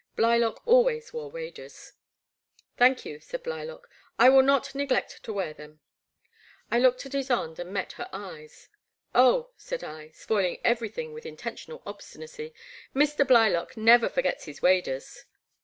Blylock always wore waders. Thank you," said Blylock, '* I will not neg lect to wear them." I looked at Ysonde and met her eyes. Oh," said I, spoiling everything with inten tional obstinacy, Mr. Blylock never forgets his waders."